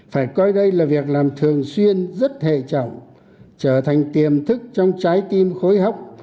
phải coi đây là việc làm thường xuyên rất hệ trọng trở thành tiềm thức trong trái tim khối hóc